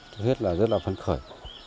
thứ hết là rất là phấn khởi